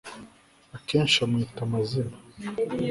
Akenshi amwita amazina